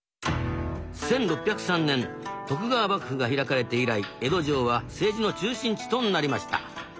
１６０３年徳川幕府が開かれて以来江戸城は政治の中心地となりました。